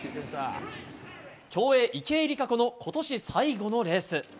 競泳、池江璃花子の今年最後のレース。